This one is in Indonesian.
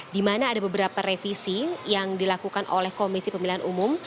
di mana ada beberapa revisi yang dilakukan oleh komisi pemilihan umum